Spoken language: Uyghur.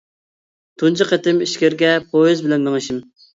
تۇنجى قېتىم ئىچكىرىگە پويىز بىلەن مېڭىشىم.